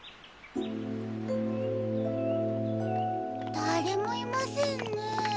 だれもいませんね？